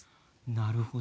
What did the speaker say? なるほど。